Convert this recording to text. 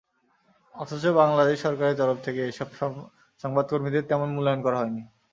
অথচ বাংলাদেশ সরকারের তরফ থেকে এসব সংবাদকর্মীদের তেমন মূল্যায়ন করা হয়নি।